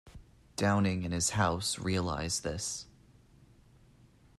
Downing and his house realized this.